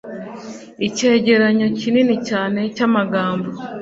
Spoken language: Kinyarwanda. icyegeranyo kinini cyane cyamagambo